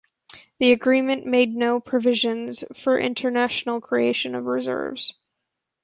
The agreement made no provisions for international creation of reserves.